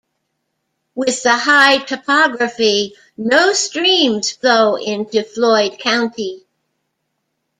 With the high topography, no streams flow into Floyd County.